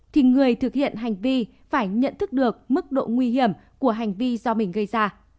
thì người thực hiện hành vi phải nhận thức được mức độ nguy hiểm của hành vi do mình gây ra